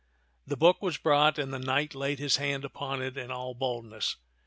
The book was brought, and the knight laid his hand upon it in all boldness.